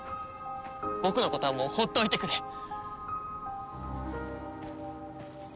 僕のことはもう放っておいてくれ。